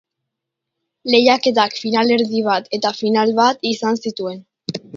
Lehiaketak finalerdi bat eta final bat izan zituen.